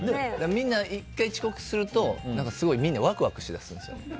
みんな、１回遅刻するとすごいみんなワクワクしだすんですよ。